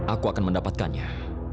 aku akan mendapatkannya